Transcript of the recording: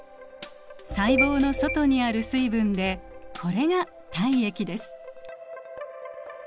細胞の外にある水分でこれが体液です。